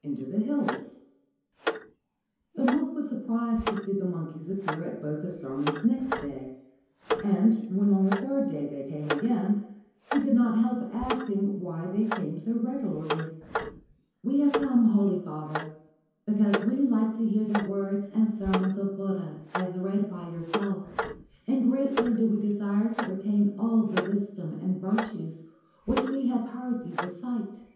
132 THE MONKEYS LISTEN TO THE PRIEST S SERMON THE PRIEST WRITES THE FIRST FIVE VOLUMES Reincarnation The monk was surprised to see the monkeys appear at both his sermons next day ; and when on the third day they came again he could not help asking why they came so regularly. ' We have come, holy father, because we like to hear the words and sermons of Buddha as read by yourself, and greatly do we desire to retain all the wisdom and virtues which we have heard you recite.